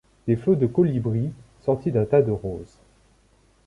Des flots de colibris ; sortis d’un tas de roses